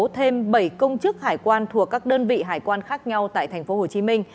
thêm bảy công chức hải quan thuộc các đơn vị hải quan khác nhau tại tp hcm